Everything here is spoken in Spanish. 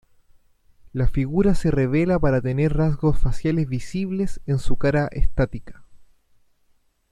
La figura se revela para tener rasgos faciales visibles en su cara estática.